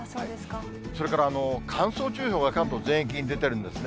それから、乾燥注意報が関東全域に出てるんですね。